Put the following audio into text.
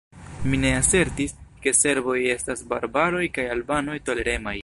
Mi ne asertis, ke serboj estas barbaroj kaj albanoj toleremaj.